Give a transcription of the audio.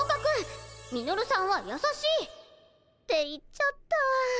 ミノルさんはやさしい！って言っちゃった。